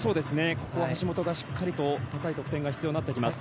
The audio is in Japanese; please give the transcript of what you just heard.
ここは橋本がしっかりと高い得点が必要になってきます。